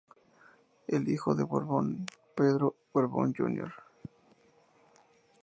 El hijo de "Borbón", Pedro Borbón, Jr.